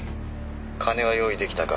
金は用意出来たか？